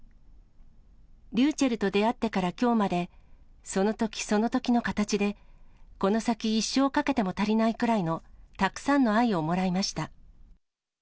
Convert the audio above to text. りゅうちぇると出会ってからきょうまでそのときそのときの形で、この先、一生かけても足りないくらいの、たくさんの愛をもらいました。